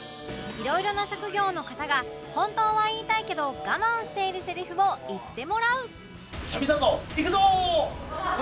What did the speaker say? いろいろな職業の方が本当は言いたいけど我慢しているセリフを言ってもらう